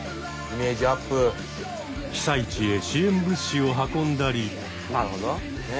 被災地へ支援物資を運んだり。